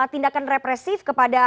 tindakan represif kepada